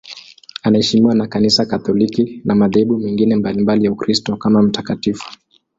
Anaheshimiwa na Kanisa Katoliki na madhehebu mengine mbalimbali ya Ukristo kama mtakatifu.